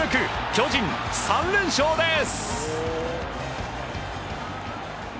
巨人、３連勝です！